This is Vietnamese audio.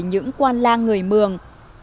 những quan lang người mường